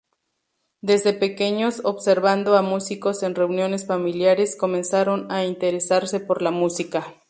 Desde pequeños, observando a músicos en reuniones familiares, comenzaron a interesarse por la música.